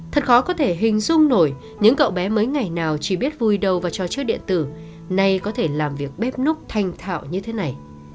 thật khó có thể hình dung nổi những cậu bé mấy ngày nào chỉ biết vui đầu vào cho chơi điện tử nay có thể làm việc bếp nút thành thạo như thế này